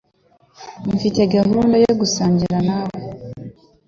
Mfite gahunda yo gusangira nawe.